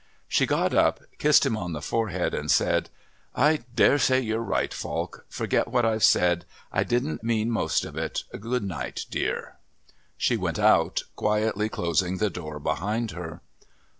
She got up, kissed him on the forehead and said: "I daresay you're right, Falk. Forget what I've said. I didn't mean most of it. Good night, dear." She went out, quietly closing the door behind her.